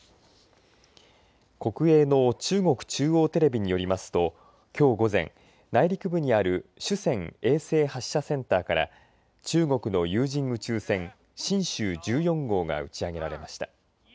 国営の中国中央テレビによりますときょう午前内陸部にある酒泉衛星発射センターから中国の有人宇宙船神舟１４号が打ち上げられました。